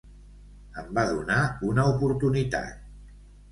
Em van donar una oportunitat.